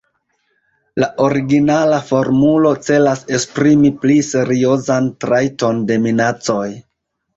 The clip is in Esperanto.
La originala formulo celas esprimi pli seriozan trajton de minacoj.